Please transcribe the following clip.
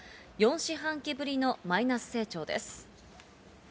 ４四半期ぶりのマイナス成長です。